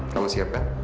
kamu siap kan